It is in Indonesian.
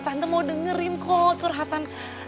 tante mau dengerin kok curhatan